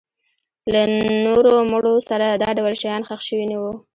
له نورو مړو سره دا ډول شیان ښخ شوي نه وو.